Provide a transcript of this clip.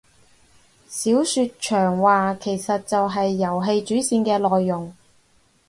小說長話其實就係遊戲主線嘅內容